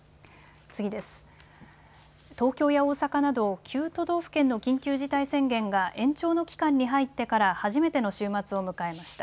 東京や大阪など９都道府県の緊急事態宣言が延長の期間に入ってから初めての週末を迎えました。